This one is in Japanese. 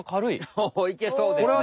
おおいけそうですね！